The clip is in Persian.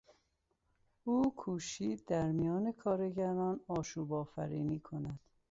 او کوشید در میان کارگران آشوب آفرینی کند.